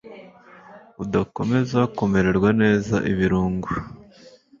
udakomeza kumererwa neza Ibirungo